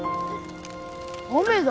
雨だ。